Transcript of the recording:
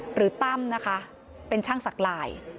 หรือตั้มนะคะเป็นช่างศักดิ์หลาย